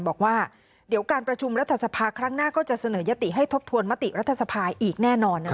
บอกว่าเดี๋ยวการประชุมรัฐสภาครั้งหน้าก็จะเสนอยติให้ทบทวนมติรัฐสภาอีกแน่นอน